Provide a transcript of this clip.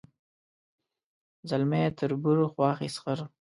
ځلمی تربور خواښې سخر